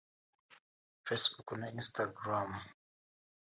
Facebook na Instagram